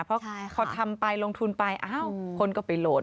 เพราะเขาทำไปลงทุนไปคนก็ไปโหลด